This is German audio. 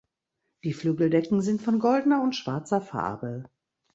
Die Flügeldecken sind von goldener und schwarzer Farbe.